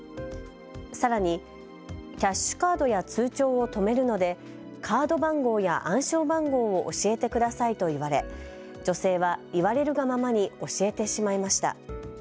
さらにキャッシュカードや通帳を止めるのでカード番号や暗証番号を教えてくださいと言われ女性は言われるがままに教えてしまいました。